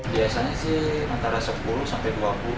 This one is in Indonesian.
biasanya sih antara sepuluh sampai dua puluh